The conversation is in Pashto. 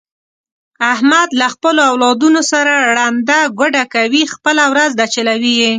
احمد له خپلو اولادونو سره ړنده ګوډه کوي، خپله ورځ ده چلوي یې.